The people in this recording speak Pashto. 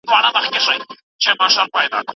اجتماعي تعامل د فرد د کردار په پرتله ډیر عمیق دی.